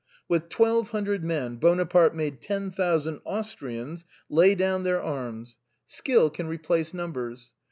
" With twelve hundred men Bonaparte made ten thousand Austrians lay down their arms. Skill can replace numbers.